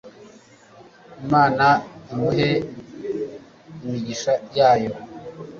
Imana imuhe imigisha yayo